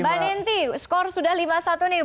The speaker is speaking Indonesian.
banenti skor sudah lima satu nih